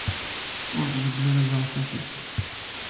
Ur ttḍeggir iẓra s asif.